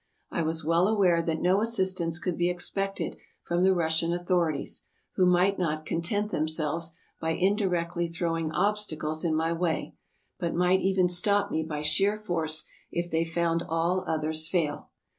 I was well aware that no assistance could be expected from the Russian authorities, who might not con tent themselves by indirectly throwing obstacles in my way, but might even stop me by sheer force if they found all other ways fail.